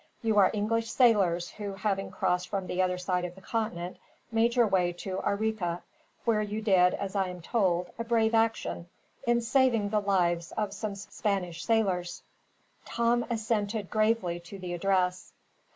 You are English sailors who, having crossed from the other side of the continent, made your way to Arica; where you did, as I am told, a brave action, in saving the lives of some Spanish sailors." Tom assented gravely to the address.